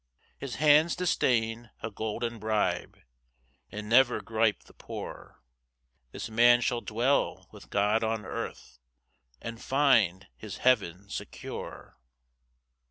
5 His hands disdain a golden bribe, And never gripe the poor; This man shall dwell with God on earth, And find his heaven secure.